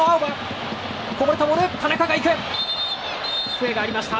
笛が鳴りました。